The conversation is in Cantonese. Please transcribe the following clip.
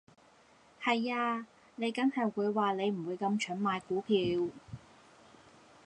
係呀，你緊係會話你唔會咁蠢買股票